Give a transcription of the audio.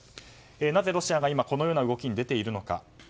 なぜ、ロシアが今このような動きに出ているのか。